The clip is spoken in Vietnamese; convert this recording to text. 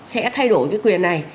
sẽ thay đổi cái quyền này